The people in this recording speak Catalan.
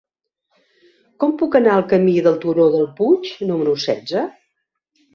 Com puc anar al camí del Turó del Puig número setze?